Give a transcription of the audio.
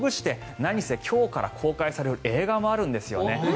なにせ、今日から公開される映画もあるんですよね。